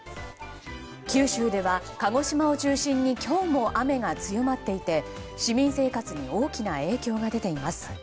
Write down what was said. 九州では鹿児島を中心に今日も雨が強まっていて市民生活に大きな影響が出ています。